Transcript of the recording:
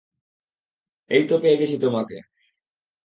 এই তো পেয়ে গেছি তোমাকে।